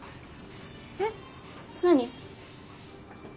えっ何？